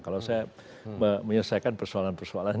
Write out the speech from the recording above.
kalau saya menyelesaikan persoalan persoalan